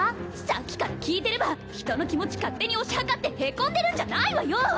さっきから聞いてれば人の気持ち勝手に推し量ってへこんでるんじゃないわよ